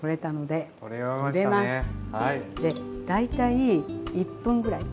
で大体１分ぐらい。